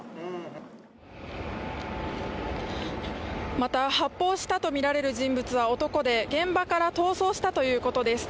また、発砲したとみられる人物は男で現場から逃走したということです。